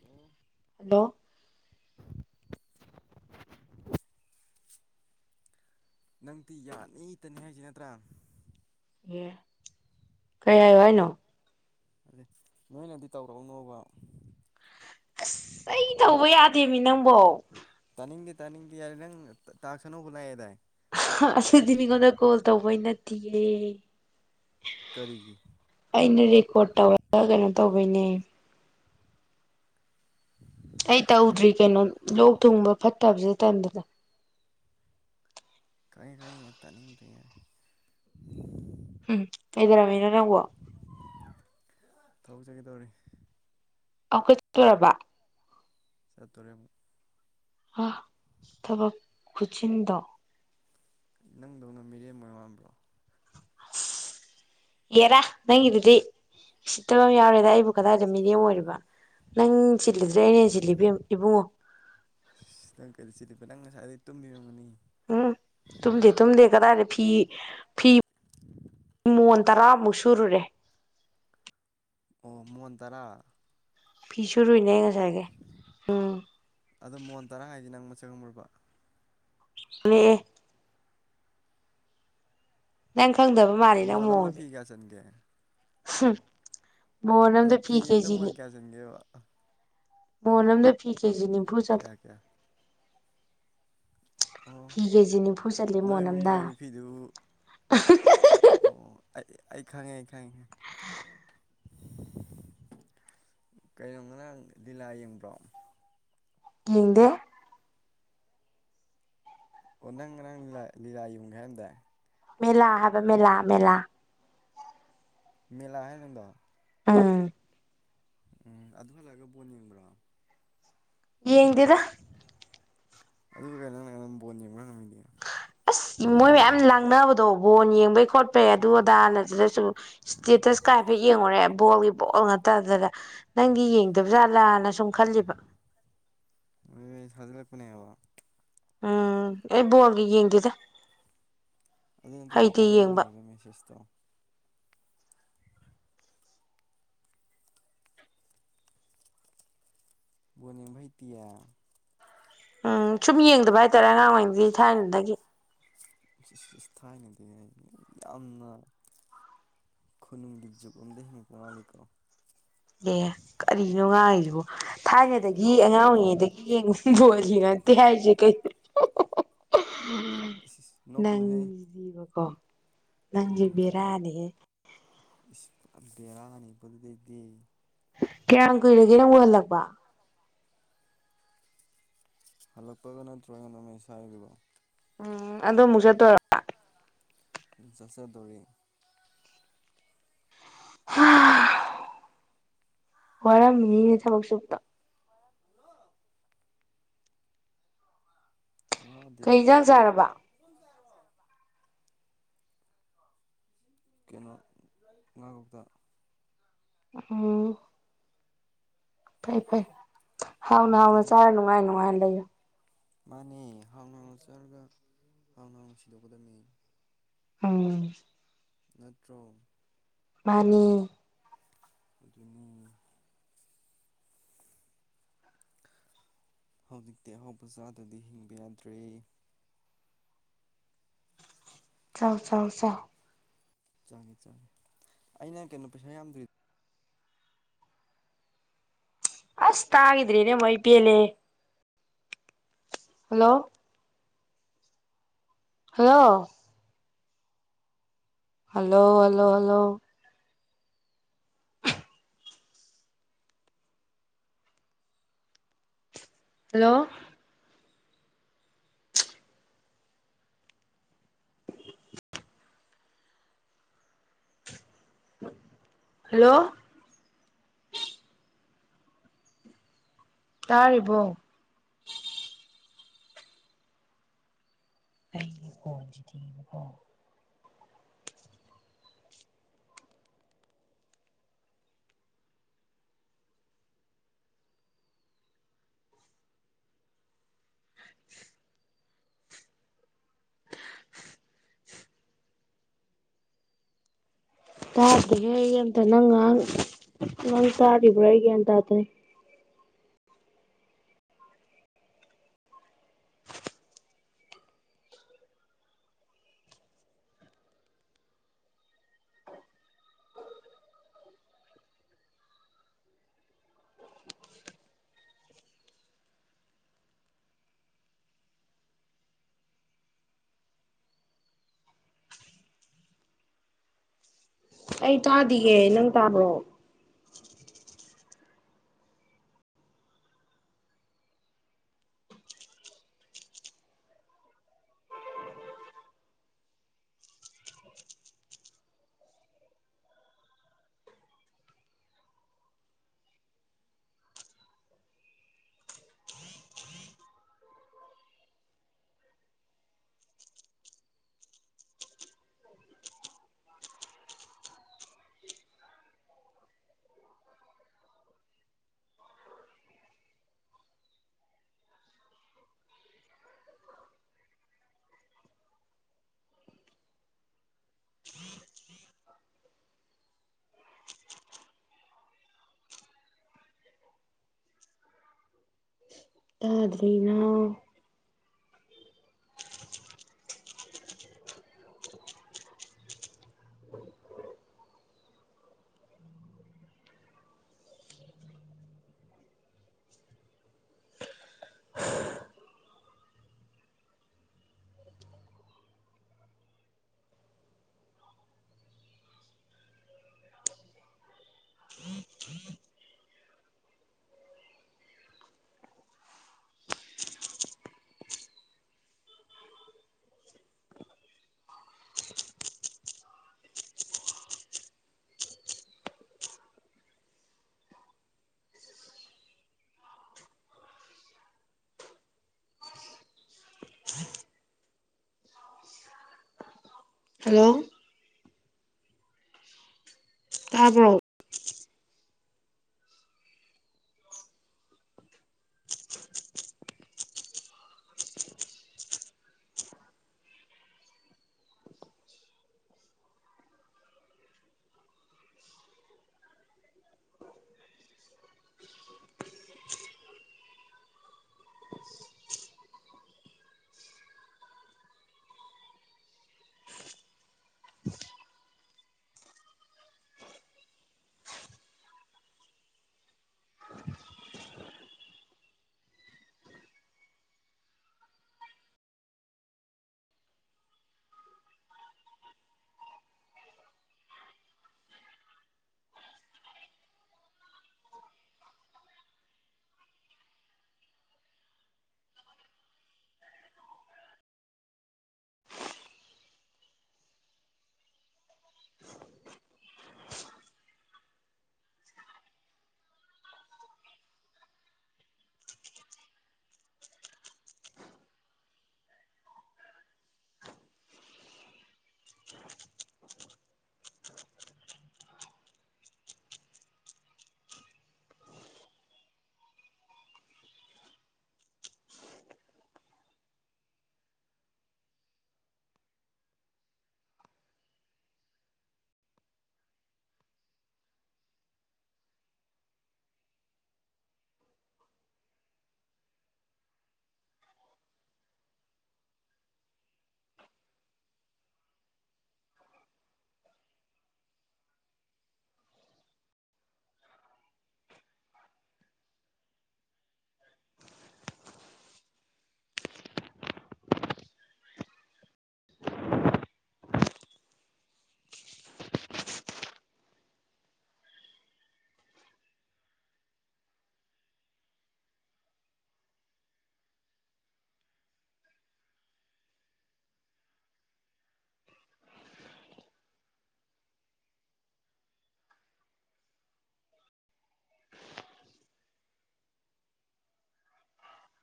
Hello hello ꯅꯪꯗꯤ ꯌꯥꯅꯤ ꯏꯇꯅꯤ ꯍꯥꯏꯁꯤ ꯅꯠꯇ꯭ꯔꯥ ꯑꯦ ꯀꯩ ꯍꯥꯏꯌꯣ ꯍꯥ ꯍꯥꯏꯅꯣ ꯑꯗꯨ ꯅꯣꯏꯅꯗꯤ ꯇꯧꯔꯛꯎꯅꯣꯕ ꯑꯁ ꯑꯩ ꯇꯧꯕ ꯌꯥꯗꯦꯃꯤ ꯅꯪꯕꯣ ꯇꯥꯅꯤꯡꯗꯦ ꯇꯥꯅꯤꯡꯗꯦ ꯌꯥꯔꯦ ꯅꯪ ꯇꯥꯛꯁ ꯑꯅꯧꯕ ꯂꯥꯛꯑꯦꯗꯥꯏ ꯑꯗꯨꯗꯤ ꯃꯤꯉꯣꯟꯗ ꯀꯣꯜ ꯇꯧꯕꯩ ꯅꯠꯇꯦꯌꯦ ꯀꯔꯤꯒꯤ ꯑꯩꯅ ꯔꯦꯀꯣꯔꯠ ꯇꯧꯔꯒ ꯀꯩꯅꯣ ꯇꯧꯕꯩꯅꯦ ꯑꯩ ꯇꯧꯗ꯭ꯔꯤ ꯀꯩꯅꯣ ꯂꯣꯛ ꯊꯨꯡꯕ ꯐꯠꯇꯕꯁꯦ ꯇꯟꯗꯅ ꯈꯪꯉꯦ ꯈꯪꯉꯦ ꯇꯥꯅꯤꯦꯗ꯭ꯔꯦ ꯌꯥꯔꯦ ꯎꯝ ꯀꯩꯗꯧꯔꯝꯃꯤꯅꯣ ꯅꯪꯕꯣ ꯊꯕꯛ ꯆꯇꯀꯦ ꯇꯧꯔꯤ [unintelligible] ꯔꯕ ꯆꯠꯇꯣꯔꯦ ꯑꯃꯨꯛ ꯑ ꯊꯕꯛ ꯈꯨꯁꯤꯟꯗꯣ ꯅꯪꯗꯧꯅ ꯃꯤꯔꯦꯝ ꯑꯣꯏ ꯃꯥꯟꯕ꯭ꯔꯣ ꯌꯦꯔꯥ ꯅꯪꯒꯤꯗꯨꯗꯤ ꯎꯁꯤꯠꯇꯕ ꯑꯝ ꯌꯥꯎꯔꯦꯗ ꯑꯩꯕꯨ ꯀꯗꯥꯏꯗ ꯃꯤꯔꯡ ꯑꯣꯏꯔꯤꯕ ꯅꯪ ꯆꯤꯜꯂꯤꯗ꯭ꯔꯦ ꯑꯩꯅ ꯁꯤꯜꯂꯤ ꯏꯕꯨꯡꯉꯣ ꯅꯪ ꯀꯩꯗ ꯆꯤꯜꯂꯤꯕ ꯅꯪ ꯉꯁꯥꯏꯗꯒꯤ ꯇꯨꯝꯃꯤ ꯑꯣꯏꯔꯝꯒꯅꯤ ꯎꯝ ꯇꯨꯝꯗꯦ ꯇꯨꯝꯗꯦ ꯀꯗꯥꯏꯗ ꯐꯤ ꯐꯤ ꯃꯣꯟ ꯇꯔꯥꯃꯨꯛ ꯁꯨꯔꯨꯔꯦ ꯑꯣ ꯃꯣꯟ ꯇꯔꯥ ꯐꯤ ꯁꯨꯔꯨꯏꯅꯦ ꯉꯁꯥꯏꯒꯩ ꯑꯣ ꯃꯣꯟ ꯇꯔꯥ ꯍꯥꯏꯁꯦ ꯅꯪ ꯃꯁꯛ ꯈꯪꯕꯔꯕ ꯃꯦ ꯅꯪ ꯈꯪꯗꯕ ꯃꯥꯜꯂꯤ ꯅꯪ ꯃꯣꯟ ꯑꯝꯗ ꯃꯑꯣꯡ ꯐꯤ ꯀꯌꯥ ꯆꯟꯒꯦ ꯃꯣꯟ ꯑꯃꯗ ꯐꯤ ꯀꯦꯖꯤꯒꯤ ꯆꯤꯡꯒꯤꯦ ꯃꯣꯟ ꯑꯃꯝꯗ ꯐꯤ ꯀꯦꯖꯤ ꯅꯤꯝꯐꯨ ꯀꯌꯥ ꯆꯠꯂꯦ ꯀꯌꯥ ꯑꯣ ꯐꯤ ꯀꯦꯖꯤ ꯅꯤꯐꯨ ꯆꯠꯂꯤ ꯅꯣꯏ ꯏꯃꯨꯡꯗ ꯃꯣꯟꯑꯝꯅ ꯂꯩꯔꯤꯕ ꯐꯤꯗꯨ [unintelligible] ꯑꯣ ꯑꯩ ꯑꯩ ꯈꯪꯉꯦ ꯑꯩ ꯈꯪꯉꯦ꯫ [unintelligible] ꯀꯩꯅꯣ ꯉꯔꯥꯡ ꯂꯤꯂꯥ ꯌꯦꯡꯕ꯭ꯔꯣ꯫ ꯌꯦꯡꯗꯦ꯫ ꯑꯣ ꯅꯪ ꯅꯔꯪꯥ ꯂꯤꯂꯥ ꯌꯨꯡꯈ ꯍꯥꯏꯔꯝꯗꯥꯏ ꯃꯦꯂ ꯍꯥꯏꯕ ꯃꯦꯂ ꯃꯦꯂ꯫ ꯃꯦꯂꯥ ꯍꯥꯏꯔ ꯅꯪꯗꯣ ꯎꯝ ꯎꯝ ꯑꯗꯨ ꯍꯜꯂꯛꯑꯒ ꯕꯣꯟ ꯌꯦꯡꯕ꯭ꯔꯣ ꯌꯦꯡꯗꯦꯗ ꯑꯗꯨ ꯀꯟꯩꯅꯣ ꯅꯪꯅ ꯑꯩꯉꯣꯜꯗ ꯕꯣꯜ ꯌꯦꯕ꯭ꯔ ꯍꯪꯉꯤꯗꯤ ꯑꯁ ꯃꯣꯏ ꯃꯌꯥꯝ ꯂꯥꯡꯅꯕꯗꯣ ꯕꯣꯟ ꯌꯦꯡꯕꯩ ꯈꯣꯠꯄꯩ ꯑꯗꯨ ꯑꯗꯥ ꯑꯗꯨꯗꯁꯨ ꯏꯁꯇꯦꯇꯁ ꯀꯥꯏꯐꯦꯠ ꯌꯦꯡꯉꯨꯔꯦ ꯕꯣꯜꯒꯤ ꯇꯥꯗꯔ ꯅꯪꯗꯤ ꯌꯦꯡꯗꯕꯖꯥꯜꯂꯅ ꯁꯨꯝ ꯈꯜꯂꯤꯕ ꯑꯦ ꯊꯖꯤꯜꯂꯛꯄꯅꯦꯕ ꯎꯝ ꯑꯩ ꯕꯣꯜꯒ ꯌꯦꯡꯗꯦꯗ ꯍꯩꯗꯤ ꯌꯦꯡꯕ꯫ ꯑꯩ ꯃꯦꯁꯦꯖ ꯇꯣ ꯕꯅꯤꯚꯇꯌꯥ ꯎꯝ ꯁꯨꯝ ꯌꯦꯡꯗꯕ ꯍꯥꯏꯇꯥꯔꯦ ꯑꯉꯥꯡ ꯑꯣꯏꯔꯤꯩꯒꯤ ꯊꯥꯏꯅꯗꯒꯤ ꯏꯁ [unintelligible] ꯊꯥꯏꯅꯗꯤ ꯑꯩ ꯌꯥꯝꯅ ꯈꯨꯅꯨꯡꯒꯤ ꯖꯨꯀꯣꯝꯗꯒꯤ ꯍꯤꯡ ꯃꯄ ꯃꯥꯥꯂꯤꯀꯣ ꯑꯦ ꯀꯔꯤꯅꯣ ꯉꯥꯡꯉꯤꯖꯤꯕꯣ ꯊꯥꯏꯅꯗꯒꯤ ꯑꯉꯥꯡ ꯑꯣꯏꯔꯤꯉꯩꯗꯒꯤ ꯌꯦꯡꯉꯨꯁꯤ ꯣꯜꯂꯤꯉꯠꯇ ꯍꯥꯏꯖꯦ ꯀꯩ ꯏꯁ ꯏꯁ [unintelligible] ꯅꯣꯛꯀꯅꯨꯍꯦ ꯅꯪꯖꯤꯗꯤꯕꯀꯣ꯫ ꯅꯣꯛꯀꯅꯨ ꯅꯣꯛꯀꯅꯨ ꯕꯦꯔꯥꯅꯤ ꯏꯁ ꯄꯨꯔꯥ ꯕꯦꯔꯥꯅꯤꯕꯨ ꯗꯨꯗꯩꯗꯤ꯫ ꯀꯌꯥꯝ ꯀꯨꯏꯔꯒꯦꯅꯪ ꯎꯍꯜꯂꯛꯄ ꯍꯜꯂꯛꯄꯒ ꯅꯠꯇ꯭ꯔꯒ ꯅꯨꯃꯤꯠꯁ ꯍꯥꯏꯕꯤꯔꯣ ꯎꯝ ꯑꯗꯣ ꯃꯨꯛ ꯆꯠꯇꯣꯏꯔꯣ꯫ ꯎꯝ ꯆꯠꯆꯗꯣꯔꯦ꯫ ꯎꯝ ꯋꯥꯔꯝꯃꯤꯅꯦ ꯊꯕꯛ ꯁꯨꯛꯇ ꯀꯩ ꯌꯦꯟꯁꯥꯡ ꯆꯥꯔꯕ ꯖꯔ ꯑꯣꯏ ꯀꯩꯅꯣ ꯉꯥꯉꯣꯛꯇ ꯎꯝ꯫ ꯐꯩ ꯐꯩ ꯍꯥꯎꯅ ꯍꯥꯎꯅ ꯍꯥꯎꯇꯦꯗ ꯆꯥꯔ ꯅꯨꯡꯉꯥꯏ ꯅꯨꯡꯉꯥꯏꯅ ꯂꯩꯌꯨ꯫ ꯃꯥꯅꯦ ꯍꯥꯎꯅ ꯍꯥꯎꯅ ꯆꯥꯔꯒ ꯍꯥꯎꯅ ꯍꯥꯎꯅ ꯁꯤꯗꯣꯛꯀꯗꯝꯃꯦ꯫ ꯑꯝ꯫ ꯅꯠꯇ꯭ꯔꯣ ꯃꯥꯅꯤ꯫ ꯑꯗꯨꯅꯤ ꯍꯧꯖꯤꯛꯇꯤ ꯑꯍꯥꯎꯧꯕ ꯆꯥꯗꯗꯤ ꯍꯤꯡꯕ ꯌꯥꯗ꯭ꯔꯦ ꯆꯥꯎ ꯆꯥꯎ ꯆꯥꯎ ꯆꯥꯒꯦ ꯆꯥꯒꯦ ꯑꯩꯅ ꯀꯩꯅꯣ ꯄꯩꯁꯥ ꯌꯥꯝꯗꯔꯤ ꯑꯁ ꯍꯥꯏꯒꯗ꯭ꯔꯤ ꯅ ꯃꯏ ꯄꯤ ꯑꯦꯂꯦ hello. Hello hello hello hello. Hello hello ꯇꯥꯔꯤꯕꯣ ꯑꯩꯒꯤ ꯐꯣꯟꯁꯤꯗꯤꯕꯀꯣ ꯇꯥꯗꯦꯍꯦ ꯑꯩ ꯑꯝꯇ ꯅꯪ ꯉꯥꯡ [unintelligible] ꯅꯪ ꯇꯥꯔꯤꯕ꯭ꯔꯥ ꯑꯩ ꯒ꯭ꯌꯥꯟ ꯇꯥꯗꯔꯦ ꯑꯩ ꯇꯥꯗꯤꯌꯦ ꯅꯪ ꯇꯥꯕ꯭ꯔꯣ ꯆꯥꯗꯔꯤꯅ ꯍꯜꯂꯣ ꯇꯥꯕ꯭ꯔꯣ꯫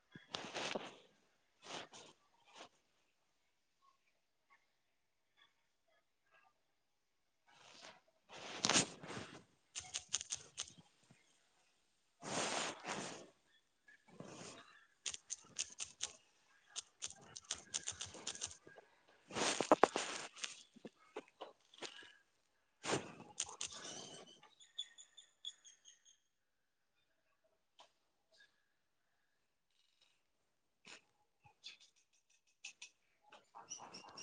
[unintelligible] [unintelligible] ꯑ